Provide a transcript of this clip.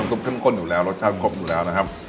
ซุปเข้มข้นอยู่แล้วรสชาติครบอยู่แล้วนะครับ